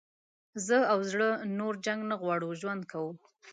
زه او زړه نور جنګ نه غواړو ژوند کوو.